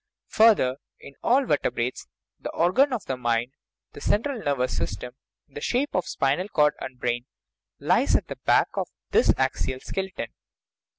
Further, in all verte brates the "organ of the mind," the central nervous system, in the shape of a spinal cord and a brain, lies at the back of this axial skeleton.